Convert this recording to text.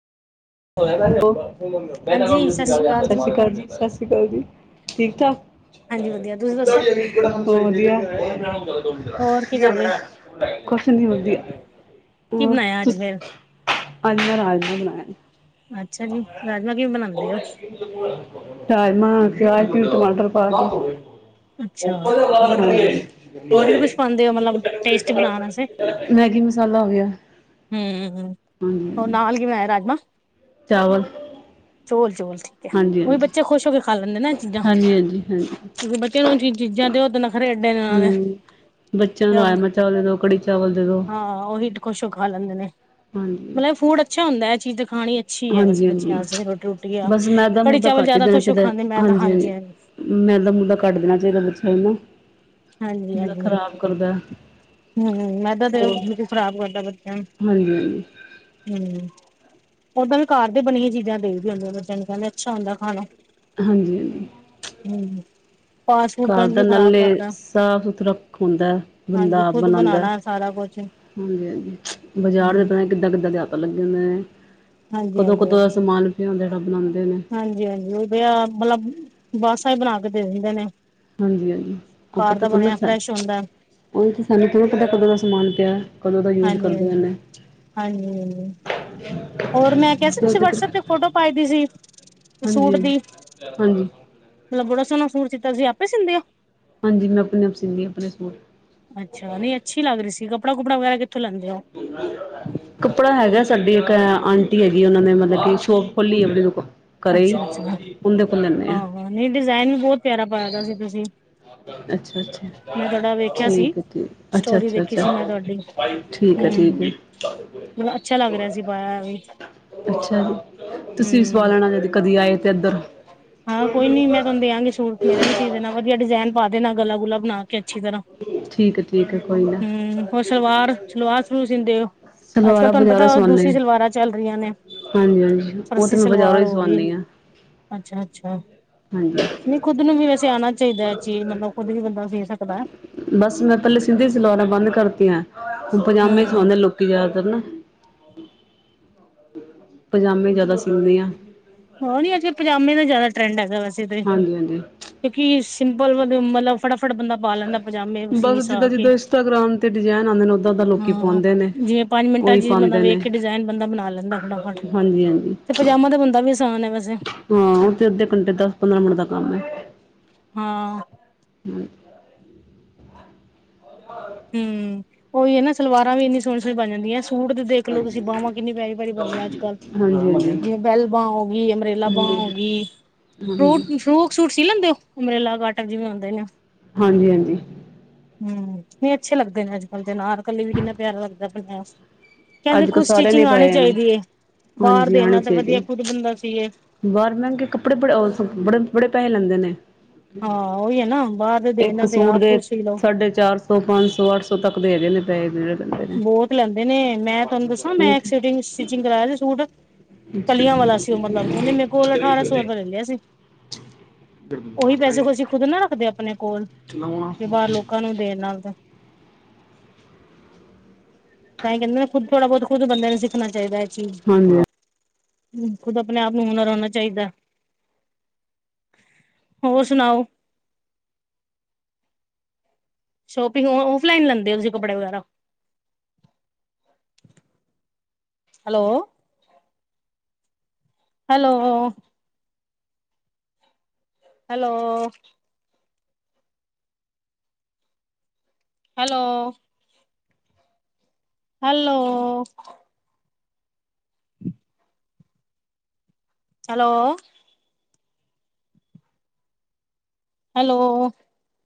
ਸਤਿ ਸ਼੍ਰੀ ਅਕਾਲ ਜੀ ਸਤਿ ਸ਼੍ਰੀ ਅਕਾਲ ਜੀ ਠੀਕ ਠਾਕ। ਹਾਂਜੀ ਵਧੀਆ ਤੁਸੀਂ ਦੱਸੋ ਹੋਰ ਕੀ ਕਰ ਰਹੇ ਹੋ [unintelligible] ਕੁਛ ਨੀ ਵਧੀਆ ਕੀ ਹੋਰ ਬਣਾਇਆ ਅੱਜ ਫੇਰ ਤੁਸੀ। ਅੱਜ ਮੈਂ ਰਾਜਮਾਹ ਬਣਾਏ ਅੱਛਾ ਜੀ ਰਾਜਮਾਂਹ ਕਿਵੇਂ ਬਣਾਉਂਦੇ ਹੋ। ਰਾਜਮਾ ਪਿਆਜ ਪਿਊਜ ਟਮਾਟਰ ਪਾ ਕੇ। ਅੱਛਾ ਹੋਰ ਹੋਰ ਵੀ ਕੁਛ ਪਾਉਂਦੇ ਹੋ ਮਤਲਬ ਟੇਸਟੀ ਬਣਾਉਣ ਵਾਸਤੇ [unintelligible] ਮੈਗੀ ਮਸਾਲਾ ਹੋ ਗਿਆ। ਹੂ ਹੂ ਹੂ, ਹੋਰ ਹਾਂਜੀ ਨਾਲ ਕੀ ਬਣਾਇਆ ਰਾਜਮਾ। ਚਾਵਲ। ਚੋਲ, ਚੋਲ ਠੀਕ ਹੈ, ਹਾਂਜੀ ਉਹ ਵੀ ਹਾਂਜੀ ਬੱਚੇ ਖੁਸ਼ ਹੋ ਕੇ ਖਾ ਲੈਂਦੇ ਨਾ ਚੀਜ਼ਾਂ, ਹਾਂਜੀ ਹਾਂਜੀ ਹਾਂਜੀ ਕਿਉਂਕਿ ਤੇ ਏਹੋ ਜੀ ਚੀਜ਼ਾਂ ਦੇ, ਔ ਤੇ ਐਡੇ ਨਖਰੇ ਇੰਨਾ ਦੇ। ਹਮ ਬੱਚਿਆਂ ਨੂੰ ਰਾਜਮ- ਚਾਵਲ ਦੇ ਦੋ, ਕੜੀ- ਚਾਵਲ ਦੇ ਦੋ। ਹਾਂ ਉਹੀ ਖੁਸ਼ ਹੋ ਖਾ ਲੈਂਦੇ ਨੇ ਹਾਂਜੀ। ਫੂਡ ਅੱਛਾ ਹੁੰਦਾ, ਇਹ ਚੀਜ਼ ਖਾਣੀ ਅੱਛੀ ਆ ਵੈਸੇ ਹਾਂਜੀ ਬੱਚਿਆਂ ਹਾਂਜੀ ਵਾਸਤੇ ਰੋਟੀ ਰੁਟੀ ਆ, ਬਸ ਮੈਦਾ ਕੜੀ ਮੂਦਾ ਚਾਵਲ ਘੱਟ ਹੀ ਜਿਆਦਾ ਦੇਣਾ ਖੁਸ਼ ਕੇ ਚਾਹੀਦਾ ਖਾਂਦੇ, ਮੈਂ ਤਾਂ ਹਾਂਜੀ ਹਾਂ। ਮੈਦਾ ਮੂਦਾ ਘੱਟ ਦੇਣਾ ਚਾਹੀਦਾ ਬੱਚਿਆਂ ਨੂੰ ਜਿਹੜਾ ਖ਼ਰਾਬ ਕਰਦਾ। ਹੂ, ਮੈਦਾ ਤਾ ਹੋਰ ਹਾਂਜੀ ਉਂਝ ਖ਼ਰਾਬ ਕਰਦਾ ਬੱਚਿਆਂ ਨੂੰ। ਹਾਂਜੀ ਹੂ, ਔਦਾਂ ਵੀ ਘਰ ਦੀ ਬਣੀਆਂ ਚੀਜ਼ਾਂ ਦੇਈ ਦੀ ਹੁੰਦੀਆਂ ਬੱਚਿਆਂ ਨੂੰ, ਕਹਿੰਦੇ ਅੱਛਾ ਹੁੰਦਾ ਖਾਣਾ। ਹਾਂਜੀ-ਹਾਂਜੀ। ਹੂ, ਫਾਸਟ ਫੂਡ ਤਾਂ ਘਰ ਉਂਝ ਦਾ ਹੀ ਖ਼ਰਾਬ ਨਾਲੇ ਕਰਦਾ। ਸਾਫ਼ ਸੁਥਰਾ ਹੁੰਦਾ। ਹਾਂਜੀ ਬੰਦਾ ਆਪ ਖੁਦ ਬਣਾਉਂਦਾ, ਬਣਾਉਣਾ ਸਾਰਾ ਕੁਛ ਹਾਂਜੀ-ਹਾਂਜੀ, ਬਾਜ਼ਾਰ ਦੇ ਹਮ ਪਤਾ ਨੀ। ਕਿੱਦਾਂ-ਕਿੱਦਾਂ ਦੇ ਹੱਥ ਲੱਗੇ ਹੁੰਦੇ ਨੇ, ਹਾਂਜੀ ਕਦੋਂ-ਕਦੋਂ ਦਾ ਸਮਾਨ ਪਯਾ ਹੁੰਦਾ ਜਿਹੜਾ ਬਣਾਉਂਦੇ ਨੇ। ਹਾਂਜੀ-ਹਾਂਜੀ ਉਹ ਭਇਆ, ਮਤਲਬ ਬਾਸਾ ਹੀ ਬਣਾ ਕੇ ਦੇ ਦਿੰਦੇ ਨੇ। ਹਾਂਜੀ-ਹਾਂਜੀ ਉਹ ਕੁ ਘਰ ਪਤਾ ਦਾ ਥੋੜ੍ਹੀ ਬਣਿਆ ਲਗਦਾ, ਫਰੈਸ਼ ਹੁੰਦਾ ਕੀ ਪਤਾ ਕਦੋਂ ਦਾ ਸਾਮਾਨ ਪਿਆ। ਕਦੋਂ ਦਾ ਯੂਜ ਹਾਂਜੀ ਕਰਦਿਆਂ ਹਾਂਜੀ ਨੇ। ਹਾਂਜੀ, ਹੋਰ ਮੈਂ ਕਿਹਾ ਸੀ ਤੁਸੀਂ ਹਾਂਜੀ ਵੱਟਸਐਪ ਤੇ ਫੋਟੋ ਪਾਈ ਦੀ ਸੀ। ਸੂਟ ਦੀ ਹਾਂਜੀ-ਹਾਂਜੀ-ਹਾਂਜੀ। ਮਤਲਬ ਬੜਾ ਸੋਹਣਾ ਸੂਟ ਸੀਤਾ ਸੀ, ਆਪੇ ਸੀਂਦੇ ਹੋ। ਹਾਂਜੀ, ਮੈਂ ਆਪਣੇ ਆਪ ਸੀਂਦੀ, ਆਪਣੇ ਸੂਟ। ਅੱਛਾ, ਨਹੀਂ ਅੱਛੀ ਲੱਗ ਰਹੀ ਸੀ, ਕੱਪੜਾ ਕੁਪੜਾ ਵਗੈਰਾ ਕਿੱਥੋਂ ਲੈਂਦੇ ਹੋ। [unintelligible] ਕੱਪੜਾ ਹੈਗਾ, ਸਾਡੀ ਇੱਕ ਆਂਟੀ ਹੈਗੀ, ਉਹਨਾਂ ਨੇ ਮਤਲਬ ਕਿ ਸ਼ੋਪ ਖੋਲੀ ਹੈ ਆਪਨੀ। ਘਰੇ ਹੀ, ਅੱਛਾ ਅੱਛਾ ਉਹਦੇ ਕੋਲ ਲੈਂਦੇ ਹਾਂ। ਹਾਂ, ਨਹੀਂ ਡਿਜ਼ਾਇਨ ਵੀ ਬਹੁਤ ਪਿਆਰਾ ਪਾਇਦਾ ਸੀ, ਤੁਸੀਂ। ਅੱਛਾ-ਅੱਛਾ, ਮੈਂ ਤੁਹਾਡਾ ਵੇਖਿਆ ਸੀ ਠੀਕ ਹੈ ਠੀਕ, ਸਟੋਰੀ ਦੇਖੀ ਅੱਛਾ-ਅੱਛਾ-ਅਛਾ। ਸੀ ਮੈਂ ਤੁਹਾਡੀ ਠੀਕ ਹੈ, ਠੀਕ ਹੈ। ਮਤਲਬ ਅੱਛਾ ਲੱਗ ਰਿਹਾ ਸੀ, ਪਾਇਆ ਹੋਇਆ ਵੀ। ਅੱਛਾ ਜੀ, ਤੁਸੀਂ ਵੀ ਸਵਾ ਹੂੰ ਲੈਣਾ ਜਦ ਕਦੀ ਆਏ ਦੇ ਇੱਧਰ। ਹਾਂ ਕੋਈ ਨੀ, ਮੈਂ ਤੁਹਾਨੂੰ ਦਿਆਂਗੀ ਸੂਟ ਮੇਰਾ ਵੀ ਸੀ ਦੇਣਾ, ਵਧੀਆ ਡਿਜ਼ਾਇਨ ਪਾ ਦੇਣਾ, ਗਲਾ ਗੁਲਾ ਬਣਾ। ਕਿ ਅੱਛੀ ਤਰ੍ਹਾਂ, ਠੀਕ ਹੈ ਠੀਕ ਹੈ ਕੋਈ ਨਾ ਹੂ, ਹੋਰ ਸਲਵਾਰ ਸਲਵਾਰ ਸਲੂਰ ਸੀਂਦੇ ਹੋ। ਅੱਜ ਕੱਲ੍ਹ ਸਲਵਾਰਾਂ ਤੁਹਾਨੂੰ ਬਜ਼ਾਰੋਂ ਪਤਾ, ਸਵਾਉਂਦੇ ਦੂਸਰੀ ਹਾਂ। ਸਲਵਾਰਾਂ ਚੱਲ ਰਹੀਆਂ ਨੇ। ਹਾਂਜੀ- ਹਾਂਜੀ, ਉਹ ਤੇ ਫਰਸੀ ਮੈਂ ਬਾਜ਼ਾਰੋਂ ਸਲਵਾਰ ਹੀ ਹੋ ਗਈ ਸਵਾਉਂਦੀ ਹਾਂ ਅੱਛਾ- ਅੱਛਾ ਹਾਂਜੀ ਨਹੀਂ ਖੁੱਦ ਨੂੰ ਵੀ ਵੈਸੇ ਆਉਣਾ ਚਾਹੀਦਾ ਐ ਚੀਜ਼, ਮਤਲਬ ਖੁੱਦ ਵੀ ਬੰਦਾ ਸੀ ਸਕਦਾ ਬਸ ਮੈਂ ਪਹਿਲੇ ਸਿੰਧੀ ਸਲਵਾਰਾਂ ਬੰਦ ਕਰਤਿਆਂ, ਹੁਣ ਪਜਾਮੇ ਹੂੰ ਸਵਾਉਂਦੇ ਲੋਕ ਜ਼ਿਆਦਾਤਰ ਨਾ, ਪਜਾਮੇ ਜਿਆਦਾ ਸੀਂਧੀ ਆ ਹੋ ਨੀ ਅੱਜੇ ਪਜਾਮੇ ਦਾ ਜ਼ਿਆਦਾ ਟਰੈਂਡ ਹੈਗਾ ਵੈਸੇ ਤੇ ਹਾਂਜੀ ਹਾਂਜੀ ਕਿਉਂਕਿ ਸਿੰਪਲ ਮਤਲਬ ਫਟਾਫਟ ਬੰਦਾ ਪਾ ਲੈਂਦਾ ਪਜਾਮੇ, ਸੀ ਬਸ ਸ ਜਿੱਦਾਂ ਕੇ, ਜਿੱਦਾਂ ਇੰਸਟਾਗ੍ਰਾਮ ਤੇ ਡਿਜ਼ਾਇਨ ਆਉਂਦੇ ਨੇ ਉੱਦਾਂ ਦਾ ਲੋਕੀ ਹਾਂ ਪਾਉਂਦੇ ਨੇ ਜਿਵੇਂ ਪੰਜ ਮਿੰਟਾਂ ਉਹੀ ਚ ਪਾਉਂਦੇ ਮਤਲਬ ਵੇਖ ਨੇ ਕੇ ਡਿਜ਼ਾਇਨ ਬੰਦਾ ਬਣਾ ਲੈਂਦਾ ਫਟਾਫਟ, ਹਾਂਜੀ ਹਾਂਜੀ ਤੇ ਪਜਾਮਾ ਦੇ ਬੰਦਾ ਤਾਂ ਵੀ ਆਸਾਨ ਹੈ ਵੇਸੇ ਹਾਂ, ਉਹ ਤੇ ਅੱਧੇ ਘੰਟੇ, ਦਸ ਪੰਦਰਾਂ ਮਿੰਟ ਦਾ ਕੰਮ ਹੈ ਹਾਂ ਹਮ [unintelligible] [inaudible] ਹਮ ਉਹੀ ਹੈ ਨਾ ਸਲਵਾਰਾਂ ਵੀ ਇੰਨੀ ਸੋਹਣੀ ਸੋਹਣੀ ਬਣ ਜਾਂਦੀਆਂ ਸੂਟ ਦੇਖ ਲੋ ਤੁਸੀਂ ਬਾਹਵਾਂ ਕਿੰਨੀ ਪਿਆਰੀ ਪਿਆਰੀ ਬਣਦੀਆਂ ਆ ਅੱਜ ਕੱਲ ਹਾਂਜੀ ਹਾਂਜੀ ਜਿਵੇਂ ਬੈਲ ਬਾਂ ਹੋ ਗਈ ਅਮਬਰੇਲਾ ਬਾਂ ਹੋ ਹਾਂਜੀ ਗਈ ਫਰੂ- ਹਾਂਜੀ ਫਰੂ। [unintelligible] ਸੂਟ ਸੀ ਲੈਂਦੇ ਹੋ ਅੰਬਰੇਲਾ ਕਾਟ ਜਿਵੇਂ ਹੁੰਦੇ ਨੇ। ਹਾਂਜੀ-ਹਾਂਜੀ। ਹਮ ਨਹੀ ਅੱਛੇ ਲੱਗਦੇ ਨੇ ਅੱਜ ਕੱਲ੍ਹ ਦੇਨਾਰ ਕੱਲੇ ਵੀ ਕਿੰਨਾ ਪਿਆਰਾ ਲੱਗਦਾ ਪਿਆ [unintelligible] ਕਹਿੰਦੇ ਅੱਜ ਕੱਲ੍ਹ ਖੁਦ ਸਾਰਿਆਂ ਨੇ ਸਟਿਚਿੰਗ ਆਉਣੀ ਪਾਏ ਨੇ ਚਾਹੀਦੀ ਹੈ ਬਾਹਰ ਹਾਂਜੀ ਦੇਨ ਆਉਣੇ ਨਾਲੋ ਤਾਂ ਵਧੀਆ ਚਾਹੀਦੇ ਖੁਦ ਬੰਦਾ ਸੀਏ ਇਹ ਬਾਹਰ ਮਹਿੰਗੇ ਕੱਪੜੇ ਬੜ ਬੜੇ ਬੜੇ ਪੈਸੇ ਲੈਂਦੇ ਨੇ ਹਾਂ ਉਹੀ ਹੈ ਨਾ ਬਾਹਰ ਦੇ ਇੱਕ ਦੇਣਾ ਤੇ ਸੂਟ ਆਪ ਦੇ ਕੁਛ ਸੀ ਲਓ ਸਾਢੇ ਚਾਰ ਸ ਪੰਜ ਸੌ ਅੱਠ ਸੌ ਤੱਕ ਦੇ ਹੈਗੇ ਨੇ ਪੈਸ ਬਹੁਤ ਲੈਂਦੇ ਨੇ ਮੈਂ ਤੁਹਾਨੂੰ ਦੱਸਾਂ ਨੇ ਮੈਂ ਸਿਚਿੰਗ ਕਰਵਾਇਆ ਸੀ ਸੂਟ ਕਲੀਆਂ ਵਾਲਾ ਸੀ ਉਹ ਮਤਲਬ ਉਹਨੇ ਮੇਰੇ ਕੋਲ ਅਠਾਰਾਂ ਸੌ ਰੁਪਿਆ ਲੈ ਲਿਆ ਸੀ ਉਹੀ ਪੈਸੇ ਖੁਸੀੁ- [unintelligible] ਨਾ ਰੱਖਦੇ ਆਪਣੇ ਕੋਲ ਬਾਹਰ ਲੋਕਾਂ ਨੂੰ ਦੇਣ ਨਾਲ ਤਾਂ ਤਾਂਹੀ ਕਹਿੰਦੇ ਨਾ ਖੁਦ ਥੋੜਾ ਬਹੁਤ ਖੁਦ ਬੰਦਿਆਂ ਨੂੰ ਸਿੱਖਣਾ ਚਾਹੀਦਾ ਹੈ ਇਹ ਚੀਜ਼ ਹਾਂਜੀ ਖੁਦ ਆਪਣੇ ਆਪ ਨੂੰ ਹੁਨਰ ਹੋਣਾ ਚਾਹੀਦਾ ਹੋਰ ਸੁਣਾਓ ਸ਼ੋਪਿੰਗ ਔਫਲਾਈਨ ਲੈਂਦੇ ਤੁਸੀਂ ਕਪੜੇ ਵਗੈਰਾ hello hello hello hello hello hello hello